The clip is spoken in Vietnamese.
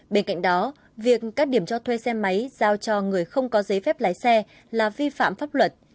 bên cạnh đó việc các điểm cho thuê xe máy giao cho người không có giấy phép lái xe là vi phạm pháp luật